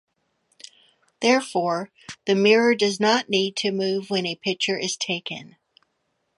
Therefore, the mirror does not need to move when a picture is taken.